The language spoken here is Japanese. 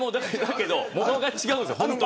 ものが違うんです。